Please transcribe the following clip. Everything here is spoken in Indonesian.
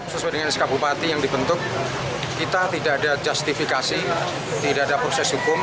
sesuai dengan sk bupati yang dibentuk kita tidak ada justifikasi tidak ada proses hukum